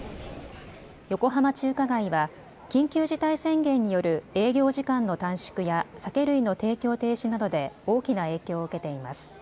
横浜中華街は緊急事態宣言による営業時間の短縮や酒類の提供停止などで大きな影響を受けています。